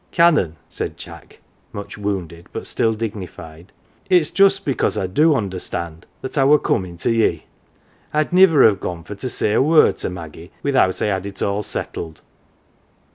" Canon," said Jack much wounded, but still dignified, " it's j ust because I do understand that I were comin' to ye. Td niver have gone for to say a word to Maggie without I had it all settled.